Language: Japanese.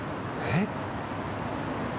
えっ？